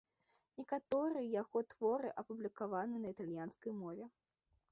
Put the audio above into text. Некаторыя яго творы апублікаваны на італьянскай мове.